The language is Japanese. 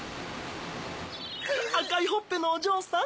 あかいほっぺのおじょうさん。